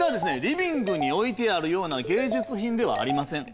リビングに置いてあるような芸術品ではありません。